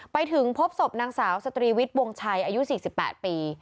ไปถึงพบศพนางสาวสตรีวิทย์วงชัยอายุ๔๘ปี